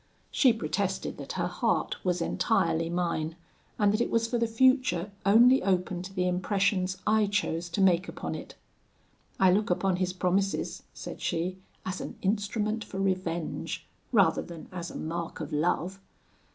"She protested that her heart was entirely mine, and that it was for the future only open to the impressions I chose to make upon it. 'I look upon his promises,' said she, 'as an instrument for revenge, rather than as a mark of love.'